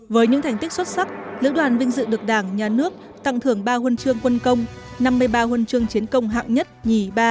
với những thành tích xuất sắc lữ đoàn vinh dự được đảng nhà nước tặng thưởng ba hôn chương quân công năm mươi ba hôn chương chiến công hạng một hai ba